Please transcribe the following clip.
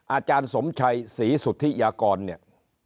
อาจารย์สมชัยศรีสุธิยากรเนี่ย